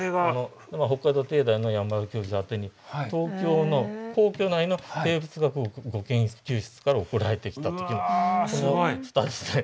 北海道帝大の山田教授宛てに東京の皇居内の生物学御研究室から送られてきた時の蓋ですね。